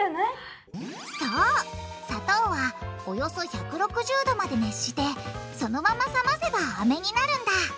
そう砂糖はおよそ１６０℃まで熱してそのまま冷ませばアメになるんだ。